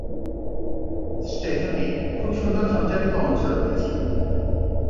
স্টেশনটি খুব সুন্দর সঞ্চালিত অঞ্চল রয়েছে।